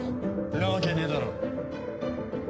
んなわけねえだろ。